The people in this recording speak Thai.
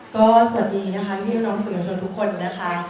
ก็สวัสดีนะคะพี่พี่น้องน้องสื่อมันชนทุกคนนะคะ